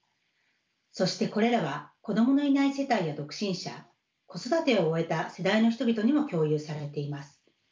そしてこれらは子どものいない世帯や独身者子育てを終えた世代の人々にも共有されています。